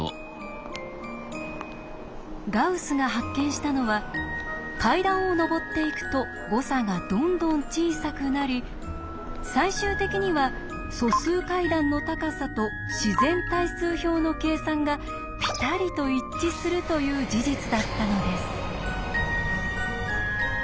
ガウスが発見したのは階段を上っていくと誤差がどんどん小さくなり最終的には「素数階段の高さ」と「自然対数表の計算」がピタリと一致するという事実だったのです。